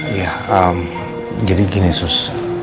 iya jadi gini sus